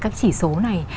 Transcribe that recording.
các chỉ số này